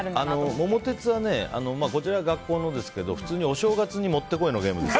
「桃鉄」はこちらは学校のですが普通にお正月にもってこいのゲームです。